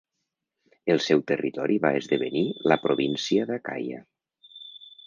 El seu territori va esdevenir la província d'Acaia.